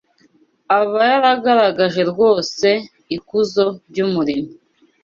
aba yaragaragaje rwose ikuzo ry’Umuremyi.